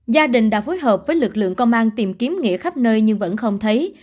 gia đình đã phối hợp với lực lượng công an tìm kiếm nghĩa khắp nơi nhưng vẫn không thấy